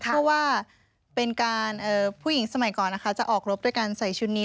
เพราะว่าเป็นการผู้หญิงสมัยก่อนนะคะจะออกรบด้วยการใส่ชุดนี้